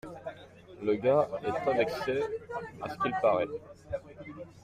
Le gars est très vexé à ce qu’il parait.